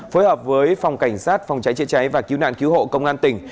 phối hợp với phòng cảnh sát phòng cháy chữa cháy và cứu nạn cứu hộ công an tỉnh